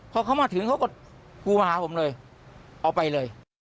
พอเขามาถึงเขาก็กูมาหาผมเลยเอาไปเลย